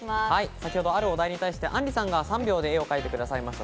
先ほどあるお題に対して、あんりさんが３秒で絵を描いてくださいました。